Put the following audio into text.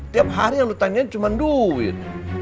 tiap hari yang lu tanya cuma duit